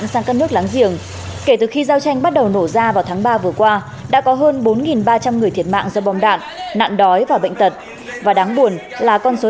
xa vừa qua đã có hơn bốn ba trăm linh người thiệt mạng do bom đạn nạn đói và bệnh tật và đáng buồn là con số